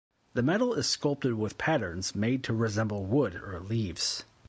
The metal is sculpted with patterns made to resemble wood or leaves.